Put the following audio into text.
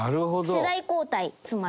世代交代つまり。